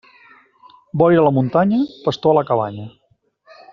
Boira a la muntanya, pastor a la cabanya.